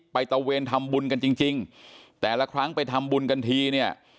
ตะเวนทำบุญกันจริงจริงแต่ละครั้งไปทำบุญกันทีเนี่ย